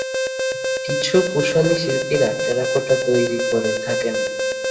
কিছু কুশলী শিল্পীরা টেরাকোটা তৈরি করে থাকেন।